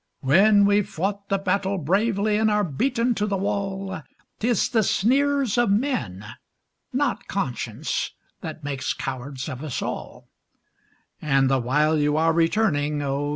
When we've fought the battle bravely and are beaten to the wall, 'Tis the sneers of men, not conscience, that make cowards of us all; And the while you are returning, oh!